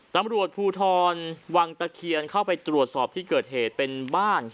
ตำรวจภูทรวังตะเคียนเข้าไปตรวจสอบที่เกิดเหตุเป็นบ้าน